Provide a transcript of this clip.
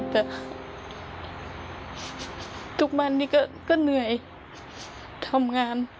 แต่ทุกวันนี้ก็เหนื่อยทำงาน